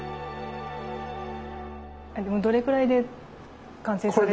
でもどれくらいで完成されるんですか？